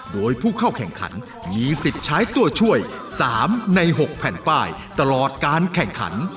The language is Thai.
โดยผู้เข้าแข่งขันมีสิทธิ์ใช้ตัวช่วย๓ใน๖แผ่นป้ายตลอดการแข่งขัน